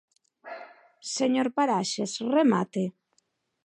Señor Paraxes, remate.